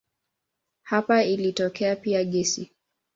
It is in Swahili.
Hapa ilitokea pia gesi.